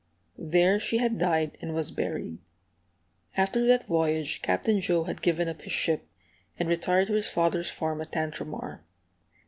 There she had died, and was buried. After that voyage Captain Joe had given up his ship, and retired to his father's farm at Tantramar.